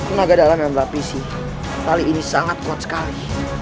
kemaga dalam yang berapisi tali ini sangat kuat sekali